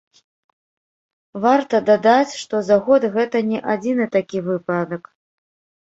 Варта дадаць, што за год гэта не адзіны такі выпадак.